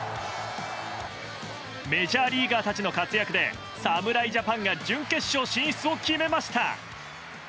メジャーリーガーたちの活躍で侍ジャパンが準決勝進出を決めました。